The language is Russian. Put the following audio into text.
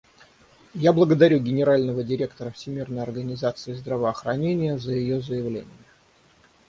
Я благодарю Генерального директора Всемирной организации здравоохранения за ее заявление.